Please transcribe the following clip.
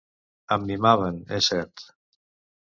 Em mimaven, és cert.